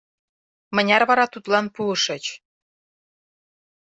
— Мыняр вара тудлан пуышыч?